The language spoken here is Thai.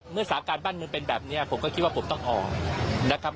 สาการบ้านเมืองเป็นแบบนี้ผมก็คิดว่าผมต้องออกนะครับ